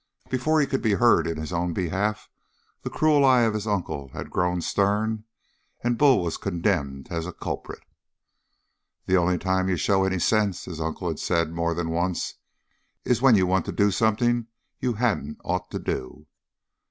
Before he could be heard in his own behalf the cruel eye of his uncle had grown stern, and Bull was condemned as a culprit. "The only time you show any sense," his uncle had said more than once, "is when you want to do something you hadn't ought to do!"